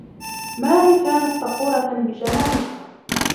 ماري كانت فخورة بجمالها.